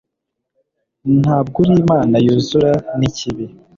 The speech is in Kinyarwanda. nta bwo uri imana yuzura n'ikibi